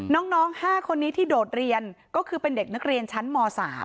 น้อง๕คนนี้ที่โดดเรียนก็คือเป็นเด็กนักเรียนชั้นม๓